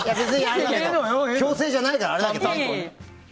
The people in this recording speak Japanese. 強制じゃないからあれだけど。